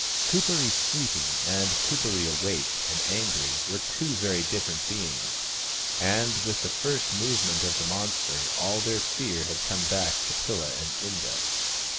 Kuperee sleeping and Kuperee awake and angry were two very different beings, and with the first movement of the monster all their fear had come back to Pilla and Inda.